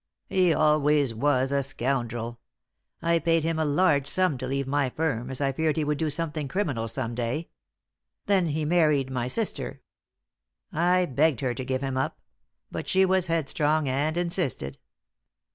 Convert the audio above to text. "He always was a scoundrel. I paid him a large sum to leave my firm, as I feared he would do something criminal some day. Then he married my sister. I begged her to give him up; but she was headstrong, and insisted.